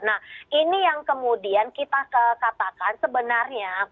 nah ini yang kemudian kita katakan sebenarnya